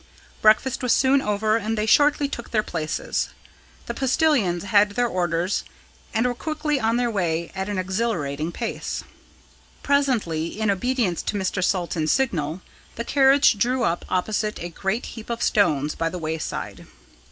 Breakfast was soon over, and they shortly took their places. The postillions had their orders, and were quickly on their way at an exhilarating pace. Presently, in obedience to Mr. Salton's signal, the carriage drew up opposite a great heap of stones by the wayside.